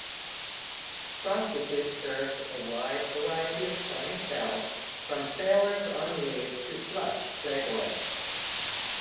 Prostitutes served a wide variety of clientele, from sailors on leave to flush playboys.